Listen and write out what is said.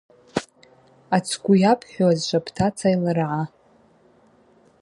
Ацгвы йабхӏвуазшва бтаца йлыргӏа.